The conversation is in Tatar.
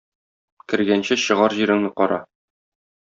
Кергәнче чыгар җиреңне кара.